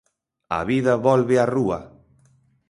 A vida volve á rúa!